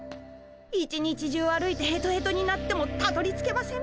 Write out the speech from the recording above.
一日中歩いてヘトヘトになってもたどりつけません。